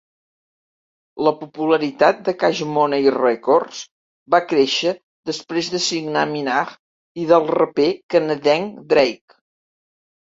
La popularitat de Cash Money Records va créixer després de signar Minaj i el raper canadenc Drake.